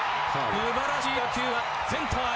すばらしい打球がセンターへ！